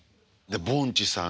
ぼんちさん